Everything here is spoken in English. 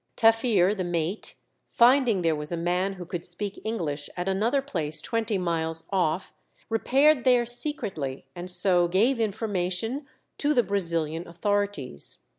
Taffir, the mate, finding there was a man who could speak English at another place twenty miles off, repaired there secretly, and so gave information to the Brazilian authorities.